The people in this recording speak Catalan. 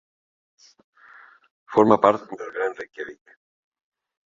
Forma part del Gran Reykjavík.